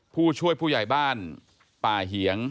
ผู้ช่วยผู้ใหญ่บ้านป่าเหียง